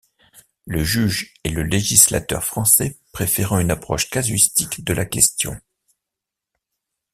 Le juge et le législateur français préférant une approche casuistique de la question.